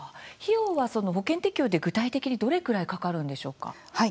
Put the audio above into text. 費用は保険適用で具体的に、どれぐらいかかるんでしょうか？